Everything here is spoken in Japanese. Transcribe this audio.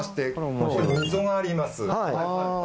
ここに溝があります。